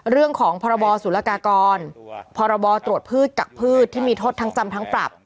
พรบสุรกากรพรบตรวจพืชกักพืชที่มีโทษทั้งจำทั้งปรับ